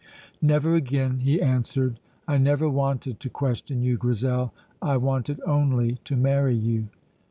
"Never again," he answered. "I never wanted to question you, Grizel. I wanted only to marry you."